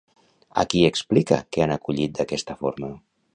A qui explica que han acollit d'aquesta forma?